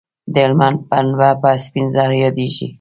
د هلمند پنبه په سپین زر یادیږي